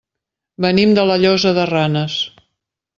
Venim de la Llosa de Ranes.